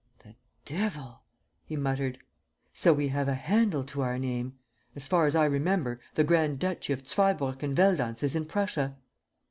"The devil!" he muttered. "So we have a handle to our name! ... As far as I remember, the Grand duchy of Zweibrucken Veldenz is in Prussia?"